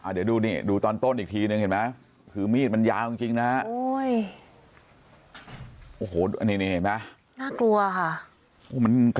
เดี๋ยวดูนี่ดูตอนต้นอีกทีนึงเห็นไหมคือมีดมันยาวจริงนะฮะโอ้โหนี่เห็นไหมน่ากลัวค่ะ